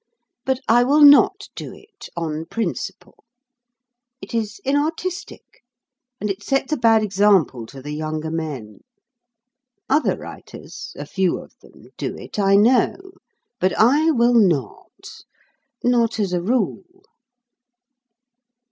But I will not do it, on principle. It is inartistic, and it sets a bad example to the younger men. Other writers (a few of them) do it, I know; but I will not not as a rule.